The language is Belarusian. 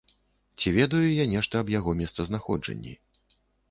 Ці ведаю я нешта аб яго месцазнаходжанні.